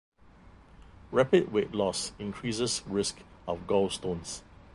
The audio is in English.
Rapid weight loss increases risk of gallstones.